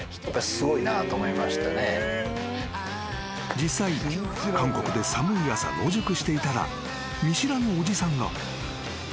［実際韓国で寒い朝野宿していたら見知らぬおじさんが］